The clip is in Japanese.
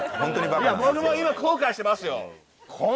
僕も今後悔してますよ。